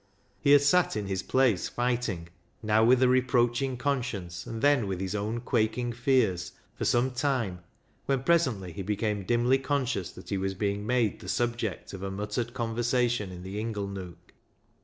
He had sat in his place fighting, now with a reproaching conscience and then with his own quaking fears, for some time, when presently he became dimly conscious that he was being made the subject of a muttered conversation in the inglenook.